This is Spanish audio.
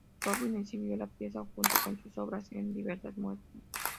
Rodin exhibió la pieza junto con sus obras en diversas muestras.